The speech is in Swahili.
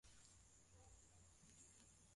na nadhani hii inaonyesha kwamba